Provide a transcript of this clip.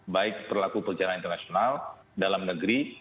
baik pelaku perjalanan internasional dalam negeri